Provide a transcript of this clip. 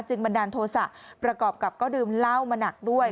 บันดาลโทษะประกอบกับก็ดื่มเหล้ามาหนักด้วย